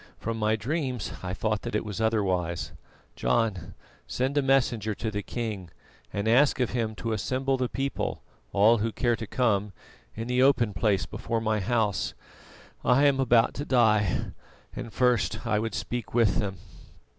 "From my dreams I thought that it was otherwise. John, send a messenger to the king and ask of him to assemble the people, all who care to come, in the open place before my house. I am about to die, and first I would speak with them."